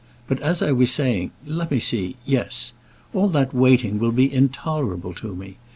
But, as I was saying Let me see. Yes, all that waiting will be intolerable to me.